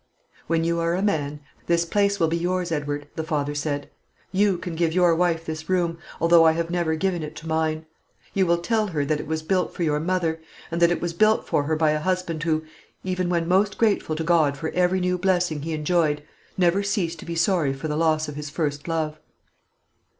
"When you are a man, this place will be yours, Edward," the father said. "You can give your wife this room, although I have never given it to mine. You will tell her that it was built for your mother, and that it was built for her by a husband who, even when most grateful to God for every new blessing he enjoyed, never ceased to be sorry for the loss of his first love."